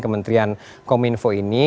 kementerian kominfo ini